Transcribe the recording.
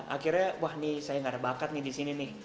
akhirnya wah nih saya tidak ada bakat di sini